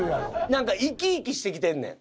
なんか生き生きしてきてんねん。